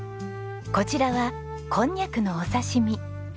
こちらはこんにゃくのお刺し身。